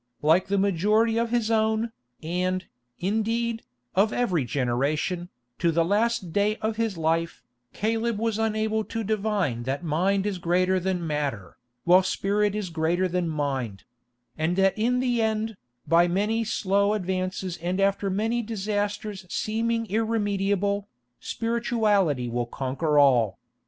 Like the majority of his own, and, indeed, of every generation, to the last day of his life, Caleb was unable to divine that mind is greater than matter, while spirit is greater than mind; and that in the end, by many slow advances and after many disasters seemingly irremediable, spirituality will conquer all.